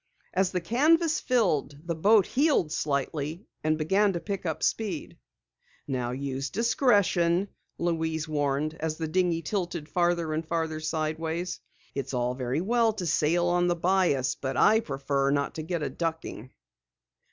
As the canvas filled, the boat heeled slightly and began to pick up speed. "Now use discretion," Louise warned as the dinghy tilted farther and farther sideways. "It's all very well to sail on the bias, but I prefer not to get a ducking!"